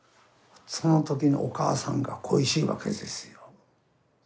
その時にお母さんが恋しいわけですよ。